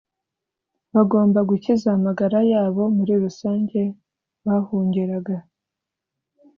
bagombaga gukiza amagara yabo muri rusange bahungiraga